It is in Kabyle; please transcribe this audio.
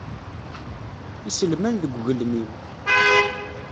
Iselman deg ugelmim.